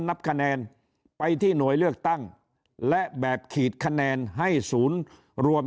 นับคะแนนไปที่หน่วยเลือกตั้งและแบบขีดคะแนนให้ศูนย์รวม